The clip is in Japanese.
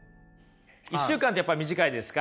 １週間ってやっぱ短いですか？